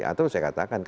atau saya katakan